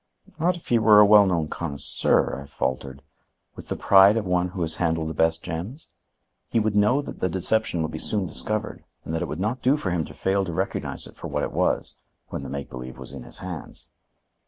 "Not if he were a well known connoisseur," I faltered, "with the pride of one who has handled the best gems? He would know that the deception would be soon discovered and that it would not do for him to fail to recognize it for what it was, when the make believe was in his hands."